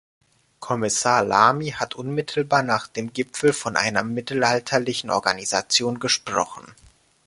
Kommissar Lamy hat unmittelbar nach dem Gipfel von einer mittelalterlichen Organisation gesprochen.